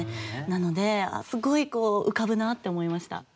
なのでああすごい浮かぶなって思いました。